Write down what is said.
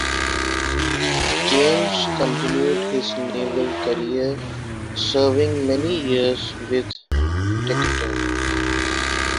James continued his Naval career, serving many years with Decatur.